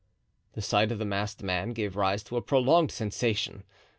The sight of the masked man gave rise to a prolonged sensation.